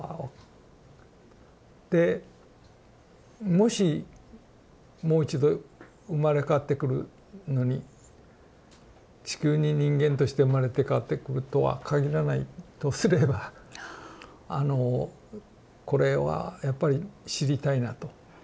でもしもう一度生まれ変わってくるのに地球に人間として生まれ変わってくるとは限らないとすればあのこれはやっぱり知りたいなと。